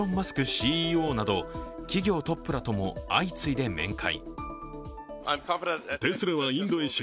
ＣＥＯなど企業トップらとも相次いで面会。